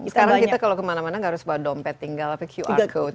sekarang kita kalau kemana mana nggak harus bawa dompet tinggal apa qr code